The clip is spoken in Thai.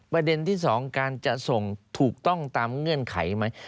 ประเด็นที่๒การจะส่งถูกต้องตามเงื่อนไขไหม